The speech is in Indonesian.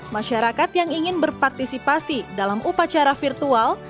masyarakat yang ingin berpartisipasi dalam upacara virtual